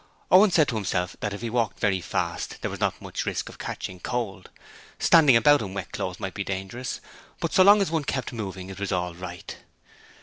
Owen said to himself that if he walked very fast there was not much risk of catching cold. Standing about in wet clothes might be dangerous, but so long as one kept moving it was all right.